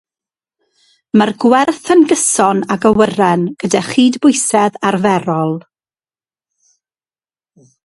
Mae'r gwerth yn gyson ag awyren gyda chytbwysedd arferol.